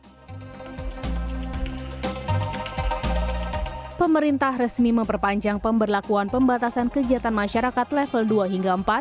hai pemerintah resmi memperpanjang pemberlakuan pembatasan kegiatan masyarakat level dua hingga